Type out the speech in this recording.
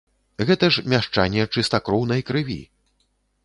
Гэта ж мяшчане чыстакроўнай крыві.